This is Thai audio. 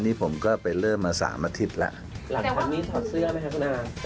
นี่ผมก็ไปเริ่มมา๓อาทิตย์แล้ว